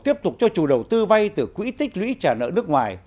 tiếp tục cho chủ đầu tư vay từ quỹ tích lũy trả nợ nước ngoài